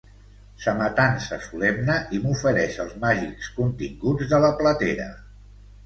Se m'atansa solemne i m'ofereix els màgics continguts de la plàtera.